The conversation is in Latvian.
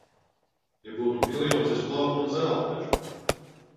Ja būtu miljons, es plauktu un zeltu taču.